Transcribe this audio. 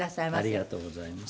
ありがとうございます。